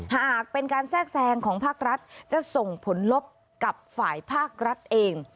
หากเป็นการแทรกแซงของภาครัฐจะส่งผลลบกับฝ่ายภาครัฐเอง